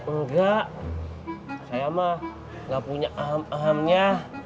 enggak saya mah gak punya ahem ahemnya